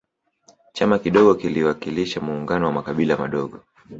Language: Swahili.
chama kidogo kiliwakilisha muungano wa makabila madogo